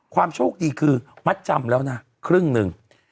โชคดีคือมัดจำแล้วนะครึ่งหนึ่ง